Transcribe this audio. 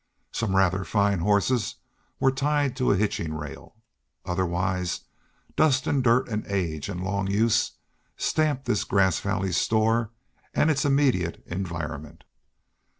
Some rather fine horses were tied to a hitching rail. Otherwise dust and dirt and age and long use stamped this Grass Valley store and its immediate environment.